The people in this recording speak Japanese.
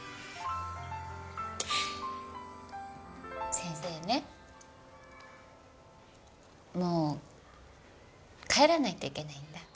先生ねもう帰らないといけないんだ。